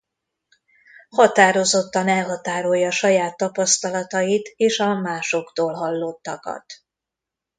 Határozottan elhatárolja saját tapasztalatait és a másoktól hallottakat.